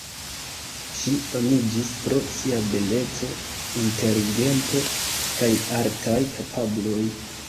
Ŝi famiĝis pro sia beleco, inteligento kaj artaj kapabloj.